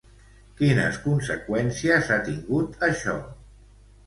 Quines conseqüències ha tingut, això?